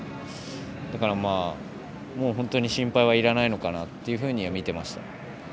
だから、本当に心配はいらないのかなというふうに見てました。